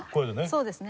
そうですね。